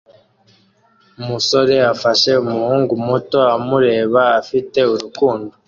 Umusore afashe umuhungu muto amureba afite urukundo